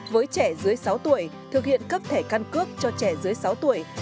với trẻ dưới sáu tuổi thực hiện cấp thẻ căn cước cho trẻ dưới sáu tuổi